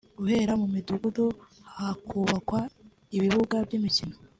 guhera mu midugudu hakubakwa ibibuga by’imikino